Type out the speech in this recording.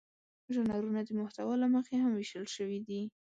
ژانرونه د محتوا له مخې هم وېشل شوي دي.